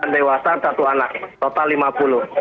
delapan dewasa satu anak total lima puluh